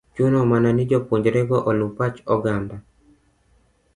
chuno mana ni jopuonjre go oluw pach oganda